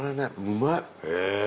うまい！